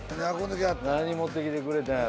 何持ってきてくれたんやろ？